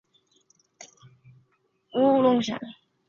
发源在江西省婺源县东北部的五龙山西南麓。